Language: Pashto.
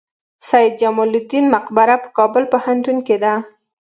سید جمال الدین مقبره په کابل پوهنتون کې ده؟